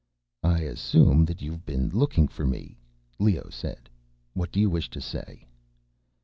"I assume that you've been looking for me," Leoh said. "What do you wish to say?"